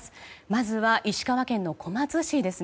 まずは、石川県の小松市です。